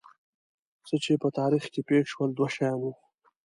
څه چې په تاریخ کې پېښ شول دوه شیان وو.